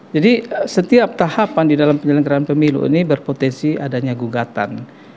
jadi setiap tahapan di dalam penyelenggaraan pemilu ini berpotensi adanya gugatan